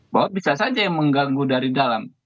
bahwa bisa saja yang mengganggu dari dalam